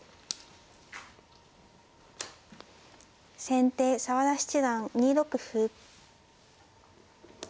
先手澤田七段２六歩。